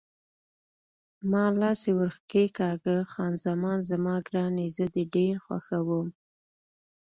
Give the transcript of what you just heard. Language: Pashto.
ما لاس یې ور کښېکاږه: خان زمان زما ګرانې، زه دې ډېر خوښوم.